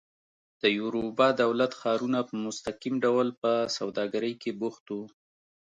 د یوروبا دولت ښارونه په مستقیم ډول په سوداګرۍ کې بوخت وو.